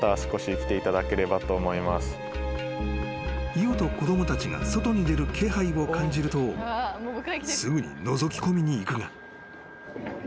［イオと子供たちが外に出る気配を感じるとすぐにのぞき込みに行くが］